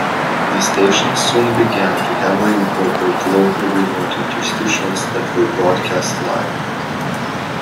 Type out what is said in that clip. The station soon began to heavily incorporate local remote interstitials that were broadcast live.